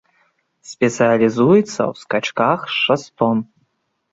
Спецыялізуецца ў скачках з шастом.